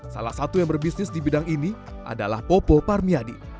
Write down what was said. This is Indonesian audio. salah satu yang berbisnis di bidang ini adalah popo parmiadi